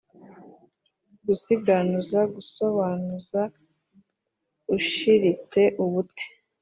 gusiganuza: gusobanuza ushiritse ubute.